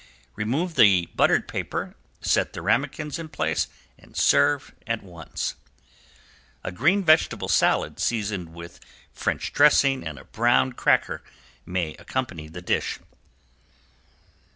Remove the buttered paper, set the ramequins in place and serve at once. A green vegetable salad seasoned with French dressing and a browned cracker may accompany the dish.